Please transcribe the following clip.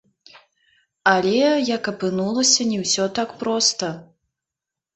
Але, як апынулася, не ўсё так проста.